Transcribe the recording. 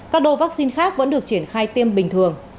các đô vaccine khác vẫn được triển khai tiêm bình thường